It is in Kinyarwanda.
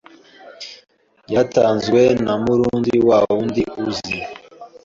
Byatanzwe na Murundi wawundi uzi